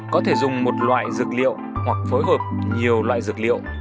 có thể dùng một loại dược liệu hoặc phối hợp nhiều loại dược liệu